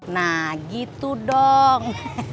nah gitu dong